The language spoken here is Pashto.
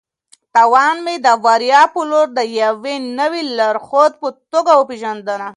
تاوان مې د بریا په لور د یوې نوې لارښود په توګه وپېژانده.